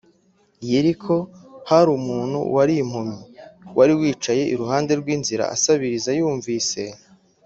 Yeriko hari umuntu wari impumyi wari wicaye iruhande rw inzira asabiriza Yumvise